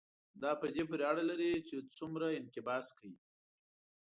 دا په دې پورې اړه لري چې څومره انقباض کوي.